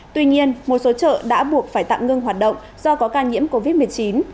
tuy nhiên một số chợ đã buộc phải tạm ngưng hoạt động do có ca nhiễm covid một mươi chín